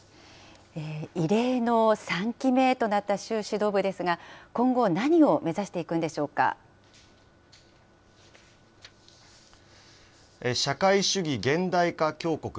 異例の３期目となった習指導部ですが、今後、何を目指してい社会主義現代化強国。